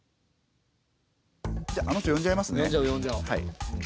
じゃああの人呼んじゃいますね。